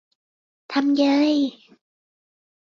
ทำเยย !